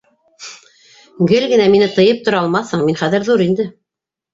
Гел генә мине тыйып тора алмаҫһың, мин хәҙер ҙур инде.